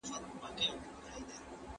ټولنیز ژوند د ټولو په خیر دی.